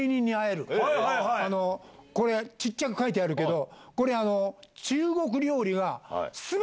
これ小っちゃく書いてあるけど。